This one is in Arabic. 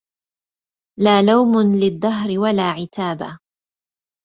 لا لوم للدهر ولا عتابا